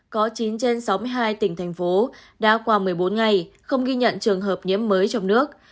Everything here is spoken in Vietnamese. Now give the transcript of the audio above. có chín trên sáu mươi hai tỉnh thành phố đã qua một mươi bốn ngày không ghi nhận trường hợp nhiễm mới trong nước